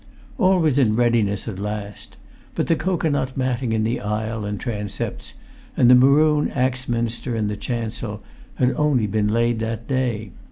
All was in readiness at last. But the cocoanut matting in the aisle and transepts, and the maroon axminster in the chancel, had only been laid that day.